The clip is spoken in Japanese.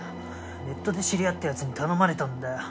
ネットで知り合った奴に頼まれたんだよ。